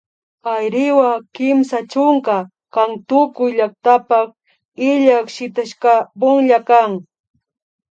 Ayriwa Kimsa chunka kan tukuy llaktapak illak shitashka punlla kan